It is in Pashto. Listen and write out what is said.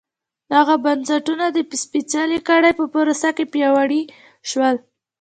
دغه بنسټونه د سپېڅلې کړۍ په پروسه کې پیاوړي شول.